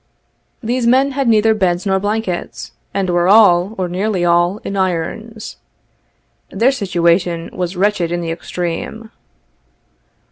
These men had neither beds nor blankets, and were all, or nearly all, in irons. Their situation was wretched in the extreme.